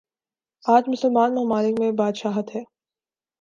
آج مسلمان ممالک میںبادشاہت ہے۔